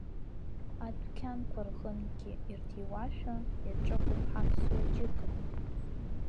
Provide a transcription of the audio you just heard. Адәқьанқәа рҟынгьы ирҭиуашәа иаҿыхуп ҳаԥсуа џьыка.